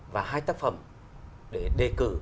và hai tác phẩm để đề cử